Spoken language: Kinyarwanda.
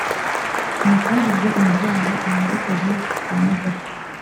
umufungurire imiryango, umuherekeze ku modoka